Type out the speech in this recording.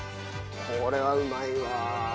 これはうまいわ。